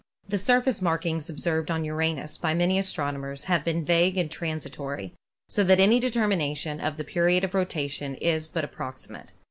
The surface markings observed on Uranus by many astronomers have been vague and transitory, so that any determination of the period of rotation is but approxi mate.